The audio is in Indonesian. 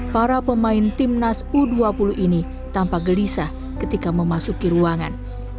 para pemain timnas u dua puluh ini tampak gelisah ketika memasuki ruangan